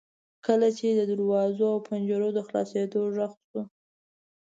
کله چې د دروازو او پنجرو د خلاصیدو غږ وشو.